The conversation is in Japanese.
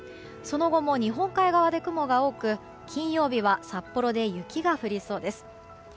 その後も日本海側で雲が多く金曜日は札幌で雪が降りそうです。